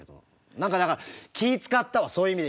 何かだから気遣ったわそういう意味で言うと。